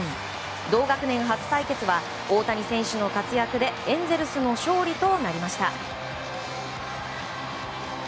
同学年初対決は大谷選手の活躍でエンゼルスの勝利となりました。